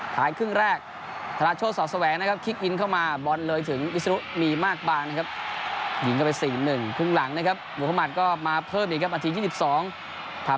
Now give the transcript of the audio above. ปาร์นัทนะครับหลายเข้ากลางให้กับหมุมมัตต์